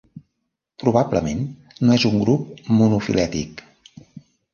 Probablement no és un grup monofilètic.